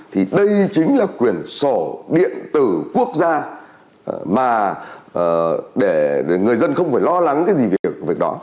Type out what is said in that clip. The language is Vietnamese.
thì đây chính là quyền sổ điện tử quốc gia mà để người dân không phải lo lắng cái gì việc của việc đó